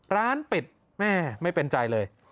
ร้านปิดแม่ไม่เป็นใจเลย